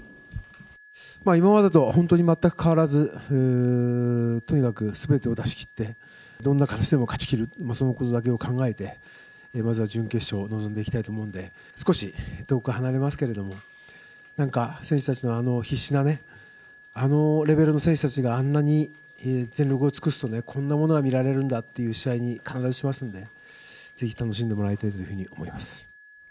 今までと本当にまったく変わらずとにかく全てを出し切ってどんな形でも勝ち切るそれだけを考えて、まずは準決勝臨んでいきたいと思うので少し遠く離れますけど選手たちのあの必死なねあのレベルの選手たちがあんなに全力を尽くすとこんなものが見られるんだっていう試合に必ずしますんでぜひともご覧いただきたいと思います。